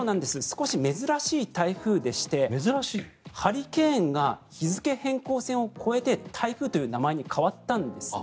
少し珍しい台風でしてハリケーンが日付変更線を越えて台風という名前に変わったんですね。